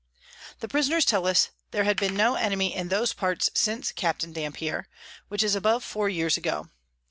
The Prisoners tell us there had been no Enemy in those parts since Capt. Dampier, which is above four Years ago.